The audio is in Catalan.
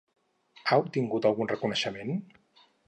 Ha obtingut algun reconeixement?